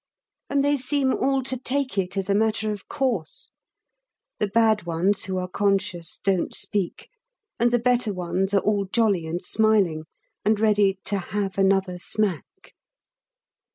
And they seem all to take it as a matter of course; the bad ones who are conscious don't speak, and the better ones are all jolly and smiling, and ready "to have another smack."